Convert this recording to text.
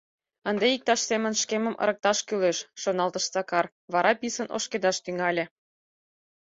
«Ынде иктаж-семын шкемым ырыкташ кӱлеш», — шоналтыш Сакар, вара писын ошкедаш тӱҥале.